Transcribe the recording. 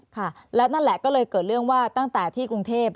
ค่ะแล้วนั่นแหละก็เลยเกิดเรื่องว่าตั้งแต่ที่กรุงเทพ